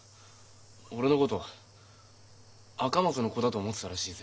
俺のことを赤松の子だと思ってたらしいぜ。